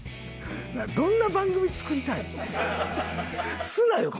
どんな番組作りたいん？